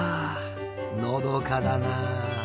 のどかだなあ！